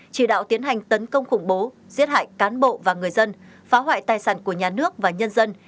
chỉ đạo tiến hành tấn công khủng bố giết hại cán bộ và người dân phá hoại tài sản của nhà nước và nhân dân